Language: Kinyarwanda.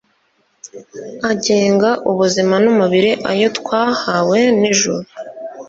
agenga ubuzima numubiri ayo twahawe nijuru